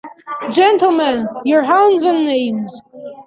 Gentlemen, your hands and names.